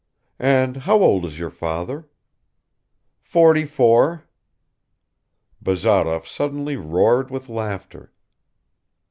"And how old is your father?" "Forty four." Bazarov suddenly roared with laughter.